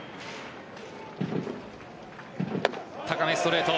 高めストレート。